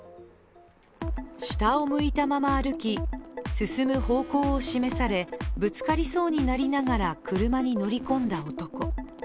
下を向いたまま歩き、進む方向を示されぶつかりそうになりながら車に乗り込んだ男。